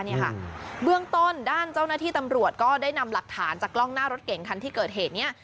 เบื้องต้นด้านเจ้าหน้าที่ตำรวจก็ได้นำหลักฐานจากกล้องหน้ารถเก่งคันที่เกิดเหตุนี้